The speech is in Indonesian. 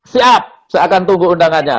siap saya akan tunggu undangannya